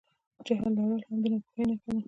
جهل لرل هم د ناپوهۍ نښه ده.